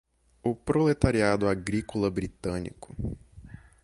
O proletariado agrícola britânico